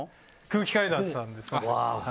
空気階段さんです。